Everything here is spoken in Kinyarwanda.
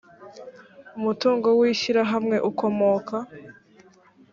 umutungo w ishyirahamwe ukomoka